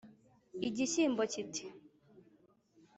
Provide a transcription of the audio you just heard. Igishyimbo kiti: